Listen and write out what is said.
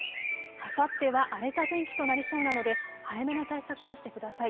あさっては荒れた天気となりそうなので早めの対策をしてください。